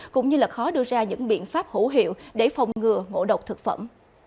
cũng như khó đưa ra những biện pháp hữu hiệu để phòng ngừa ngộ độc thực phẩm